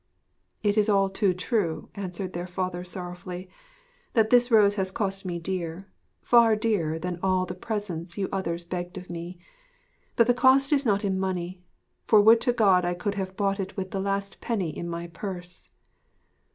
'It is all too true,' answered their father sorrowfully, 'that this rose has cost me dear far dearer than all the presents you others begged of me. But the cost is not in money; for would to God I could have bought it with the last penny in my purse!'